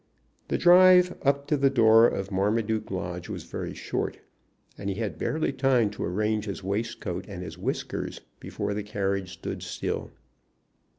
The drive up to the door of Marmaduke Lodge was very short, and he had barely time to arrange his waistcoat and his whiskers before the carriage stood still.